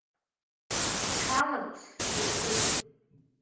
Рҽаларԥс иркуп.